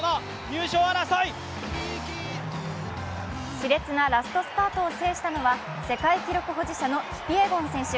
しれつなラストスパートを制したのは世界記録保持者のキピエゴン選手。